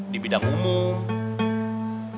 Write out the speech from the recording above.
di bidang umum